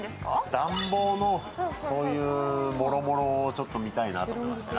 暖房のそういうもろもろをちょっと見たいなと思ってまして。